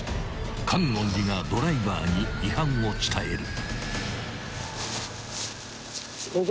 ［觀音寺がドライバーに違反を伝える］